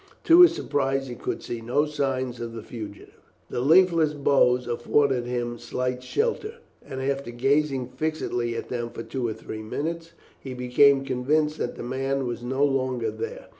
To his surprise he could see no signs of the fugitive. The leafless boughs afforded but slight shelter, and after gazing fixedly at them for two or three minutes, he became convinced that the man was no longer there.